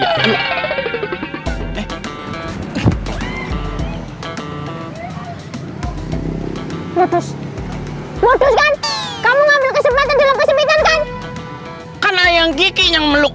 mutus mutus kan kamu ngambil kesempatan di lokasi pindahkan karena yang gigi yang meluk